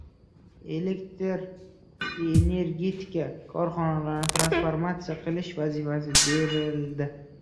Elektr energetikasi korxonalarini transformatsiya qilish vazifalari belgilandi